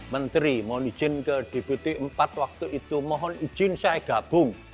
menteri mohon izin ke deputi empat waktu itu mohon izin saya gabung